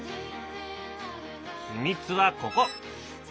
秘密はここ。